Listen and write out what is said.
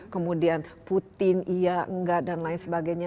kemudian putin iya enggak dan lain sebagainya